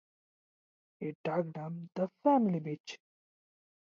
এর ডাকনাম "the family beach".